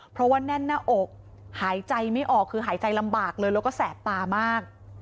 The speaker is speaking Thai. เพราะว่าแน่นหน้าอกหายใจไม่ออกคือหายใจลำบากเลยแล้วก็แสบตามาก